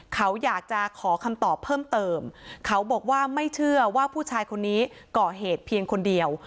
เขาอยากจะขอคำตอบเพิ่มเติมเขาบอกว่าไม่เชื่อว่าผู้ชายคนนี้ก่อเหตุเพียงคนเดียว